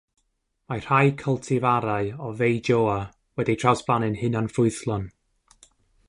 Mae rhai cyltifarau o feijoa wedi'u trawsblannu'n hunanffrwythlon.